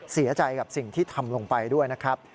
เสียใจกับสิ่งที่ทำลงไปด้วยนะครับ